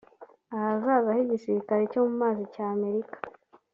Ahazaza h’igisirikare cyo mu mazi cya Amerika